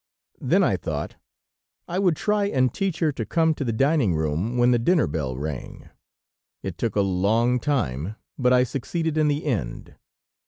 Then I thought I would try and teach her to come to the dining room when the dinner bell rang. It took a long time, but I succeeded in the end.